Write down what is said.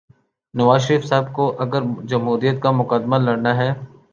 نواز شریف صاحب کو اگر جمہوریت کا مقدمہ لڑنا ہے۔